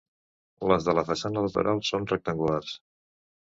Les de la façana lateral són rectangulars.